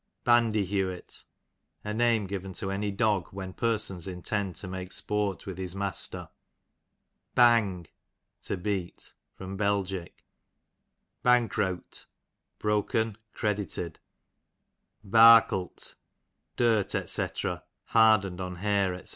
Bandyhewit, a name given to any dog, when persons intend to make sport with his master. Bang, to beat. Bel. Bankreawt, broken credited. Barklt, dirt, dc. hardened on hair, %c.